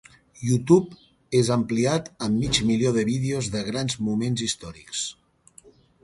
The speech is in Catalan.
YouTube és ampliat amb mig milió de vídeos de grans moments històrics.